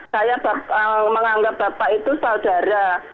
saya menganggap bapak itu saudara